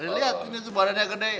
lihat ini tuh badannya gede